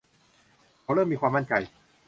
เขาเริ่มมีความมั่นใจ